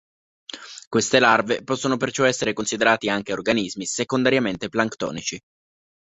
Queste larve possono perciò essere considerati anche organismi secondariamente planctonici.